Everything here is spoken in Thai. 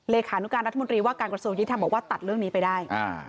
ขานุการรัฐมนตรีว่าการกระทรวงยุทธรรมบอกว่าตัดเรื่องนี้ไปได้